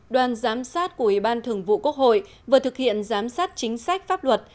đoàn giám sát của ủy ban thường vụ quốc hội vừa thực hiện giám sát chính sách pháp luật